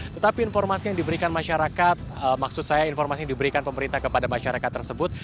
tetapi informasi yang diberikan masyarakat maksud saya informasi yang diberikan pemerintah kepada masyarakat tersebut